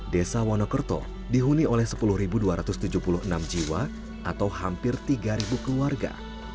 desa wonokerto dihuni oleh sepuluh dua ratus tujuh puluh enam jiwa atau hampir tiga keluarga